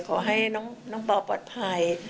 ขอให้น้องปอปลอดภัย